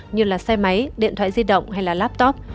như là xe máy điện thoại di động hay là laptop